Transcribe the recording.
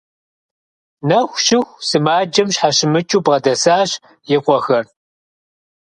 Нэху щыху сымаджэм щхьэщымыкӀыу бгъэдэсащ и къуэхэр.